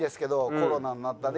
コロナになったんで。